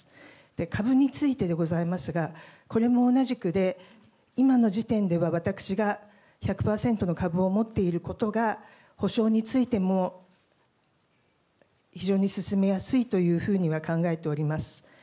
株についてでございますが、これも同じくで、今の時点では私が１００％の株を持っていることが、補償についても非常に進めやすいというふうには考えております。